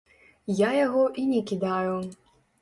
Я яго і не кідаю.